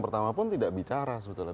pertama pun tidak bicara sebetulnya